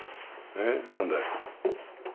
えっ何だい。